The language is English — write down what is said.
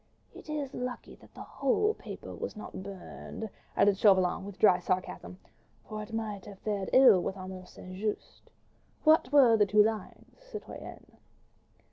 "It is lucky that the whole paper was not burned," added Chauvelin, with dry sarcasm, "for it might have fared ill with Armand St. Just. What were the two lines, citoyenne?"